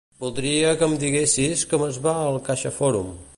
Voldria que em diguessis com es va al CaixaForum.